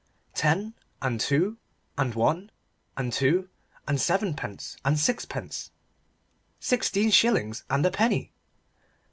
Ten and two and one and two and sevenpence and sixpence sixteen shillings and a penny.